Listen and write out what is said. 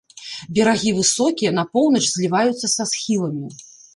Берагі высокія, на поўнач зліваюцца са схіламі.